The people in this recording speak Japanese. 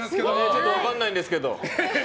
ちょっと分からないんですけど。